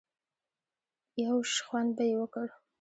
يو شخوند به يې وکړ.